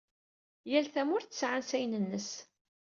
Yal tamurt tesɛa ansayen-nnes.